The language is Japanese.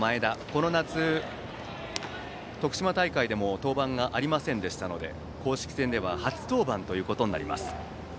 この夏、徳島大会でも登板がありませんでしたので公式戦では初登板となります。